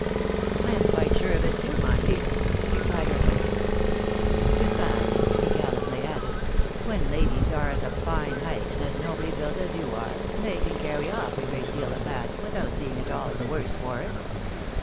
." I am quite sure of it too, my dear," repHed her husband. " Besided," he gallantly added, " when ladies are of as fine a height, and as nobly buUt as you are, they can carry off a great deal of fat without being at all the worse for it."